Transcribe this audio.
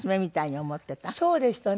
そうでしたね。